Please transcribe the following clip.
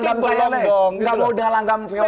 gak mau dengan langganan